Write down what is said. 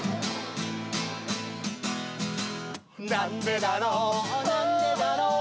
「なんでだろうなんでだろう」